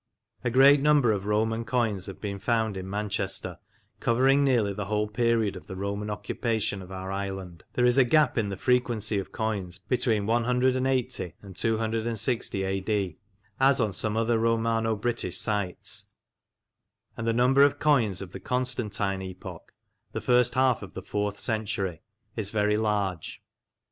A great number of Roman coins have been found in Manchester, covering nearly the whole period of the Roman occupation of our island. There is a gap in the frequency of coins between 180 and 260 A.D., as on some other Romano British sites, and the number of coins of the Constantine epoch (the first half of the fourth century) is very large.